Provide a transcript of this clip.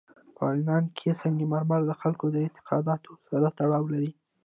په افغانستان کې سنگ مرمر د خلکو د اعتقاداتو سره تړاو لري.